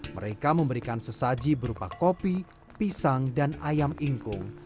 mereka memberikan sesaji berupa kopi pisang dan ayam ingkung